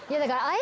え。